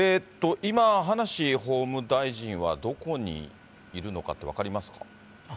今、葉梨法務大臣はどこにいるのかって分かりますか？